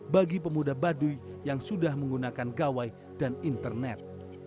bagi pemuda baduy yang sudah menggunakan gawai dan internet